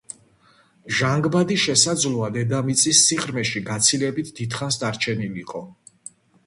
ჟანგბადი შესაძლოა დედამიწის სიღრმეში გაცილებით დიდხანს დარჩენილიყო.